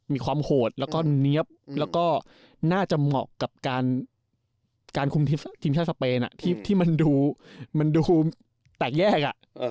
มีความโหดแล้วก็เนี๊ยบแล้วก็น่าจะเหมาะกับการคุมทีมชาติสเปนที่มันดูแตกแยก